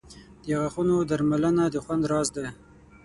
• د غاښونو درملنه د خوند راز دی.